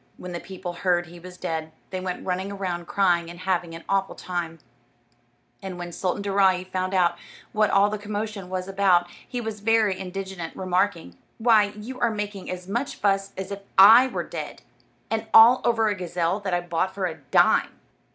When the people heard he was dead, they went running around crying and having an awful time; and when Sultan Daaraaee found out what all the commotion was about he was very indignant, remarking, "Why, you are making as much fuss as if I were dead, and all over a gazelle that I bought for a dime!"